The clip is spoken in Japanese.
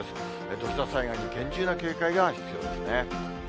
土砂災害に厳重な警戒が必要ですね。